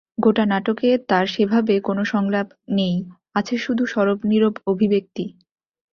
গোটা নাটকে তাঁর সেভাবে কোনো সংলাপ নেই, আছে শুধুই সরব-নীরব অভিব্যক্তি।